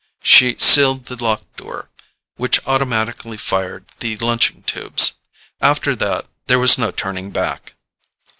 She sealed the lock door, which automatically fired the launching tubes. After that there was no turning back.